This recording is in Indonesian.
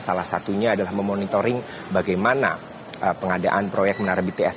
salah satunya adalah memonitoring bagaimana pengadaan proyek menara bts